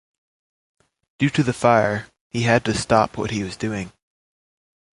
Due to the fire, he had to stop what he was doing.